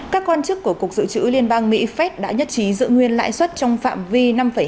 các quan chức của cục dự trữ liên bang mỹ fed đã nhất trí giữ nguyên lãi suất trong phạm vi năm hai mươi năm năm năm